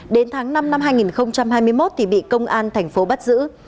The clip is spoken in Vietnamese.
đến tháng năm năm hai nghìn hai mươi một thì bị công an tp bắt giữ